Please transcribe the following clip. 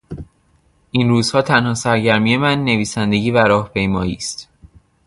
این روزها تنها سرگرمی من نویسندگی و راهپیمایی است.